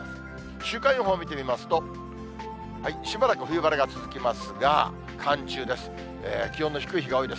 週間予報見てみますと、しばらく冬晴れが続きますが、寒中です。